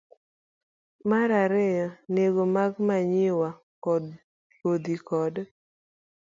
Mar ariyo, nengo mag manyiwa, kodhi, kod